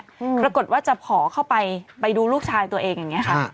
ปรากฏว่าจะขอเข้าไปไปดูลูกชายตัวเองอย่างเงี้ค่ะ